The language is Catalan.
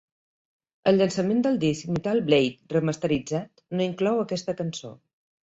El llançament del disc Metal Blade remasteritzat no inclou aquesta cançó.